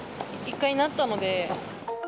１回なったので。